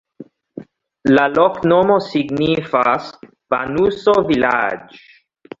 La loknomo signifas: banuso-vilaĝ'.